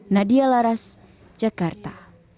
nadia laras jakarta